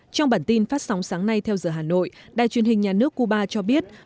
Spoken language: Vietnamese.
trong bản tin phát sóng sáng nay theo giờ hà nội đài truyền hình nhà nước cuba cho biết